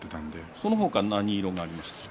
その他何色がありましたか？